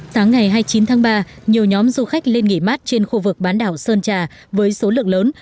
sáng ngày hai mươi chín tháng ba nhiều nhóm du khách lên nghỉ mát trên khu vực bán đảo sơn trà với số lượng lớn